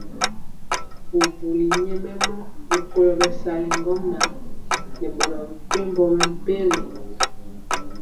Bubuli nyɛmemɔ rikolo bɛsali ŋgomnaŋ nɛ boro mepempɔ mɛmpegi.